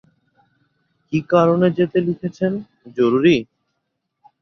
কী কারণে যেতে লিখেছেন, জরুরি।